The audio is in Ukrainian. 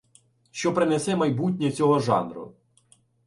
Що принесе майбутнє цього жанру?